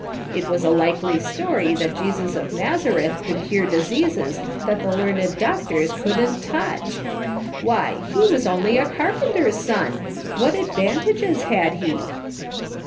It was a likely story that Jesus of Nazareth could cure diseases that the learned doctors couldn't touch ! Why, he was only a carpenter's son ! What advantages had he